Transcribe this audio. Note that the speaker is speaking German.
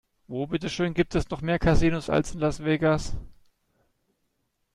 Wo bitte schön gibt es noch mehr Casinos als in Las Vegas?